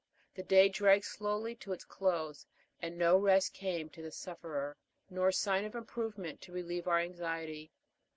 The day dragged slowly to its close, and no rest came to the sufferer, nor sign of improvement to relieve our anxiety.